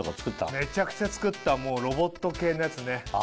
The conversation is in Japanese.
めちゃくちゃ作ったロボット系のやつね。